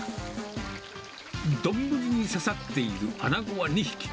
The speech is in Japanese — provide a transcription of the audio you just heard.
丼に刺さっているアナゴは２匹。